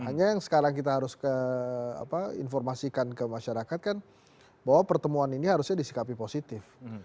hanya yang sekarang kita harus informasikan ke masyarakat kan bahwa pertemuan ini harusnya disikapi positif